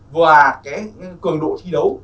và cái cường độ thi đấu